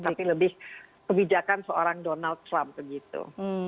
tapi lebih kebijakan seorang donald trump begitu